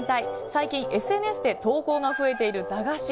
最近ＳＮＳで投稿が増えている駄菓子。